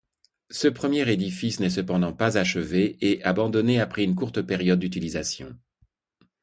Ce premier édifice n’est cependant pas achevé et abandonné après une courte période d’utilisation.